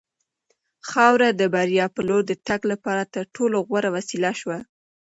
خاوره د بریا په لور د تګ لپاره تر ټولو غوره وسیله شوه.